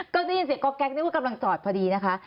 ก็ได้ยินเสียงก๊อกแก๊กนึกว่ากำลังจอดพอดีนะคะ